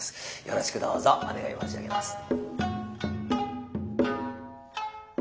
よろしくどうぞお願い申し上げます。